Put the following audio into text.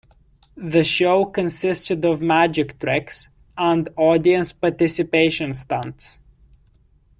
The show consisted of magic tricks and audience participation stunts.